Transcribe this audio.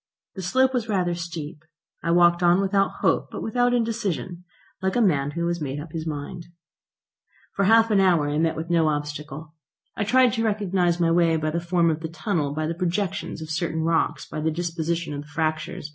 The slope was rather steep. I walked on without hope but without indecision, like a man who has made up his mind. For half an hour I met with no obstacle. I tried to recognise my way by the form of the tunnel, by the projections of certain rocks, by the disposition of the fractures.